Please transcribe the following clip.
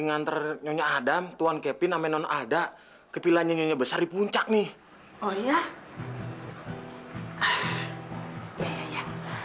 ntar nyonya adam tuhan kevin amin on ada kepilanya nyonya besar di puncak nih oh ya